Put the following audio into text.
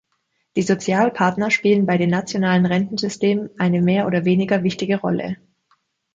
Die Sozialpartner spielen bei den nationalen Rentensystemen eine mehr oder weniger wichtige Rolle.